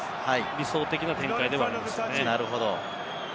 理想的な展開ではありますね。